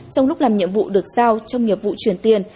trong lúc làm nhiệm vụ được giao trong nghiệp vụ chuyển tiền